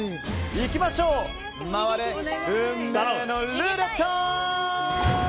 いきましょう回れ、運命のルーレット！